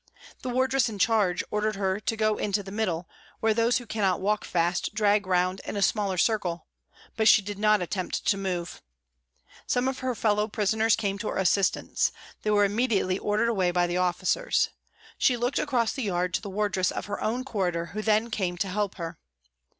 The wardress in charge ordered her to "go into the middle," where those who cannot walk fast drag round in a smaller circle, but she did not attempt to move. Some of her fellow prisoners came to her assistance, they were immediately ordered away by the officers. She looked across the yard to the wardress of her own corridor who then came to help her.